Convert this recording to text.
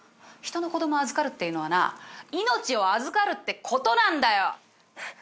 人の子供預かるっていうのはな命を預かるってことなんだよ。